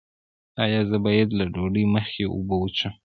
ایا زه باید له ډوډۍ مخکې اوبه وڅښم؟